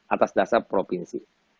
atas dasar provinsi